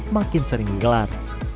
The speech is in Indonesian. makin sering digelar